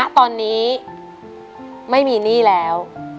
ตอนนี้ไม่มีหนี้แล้ว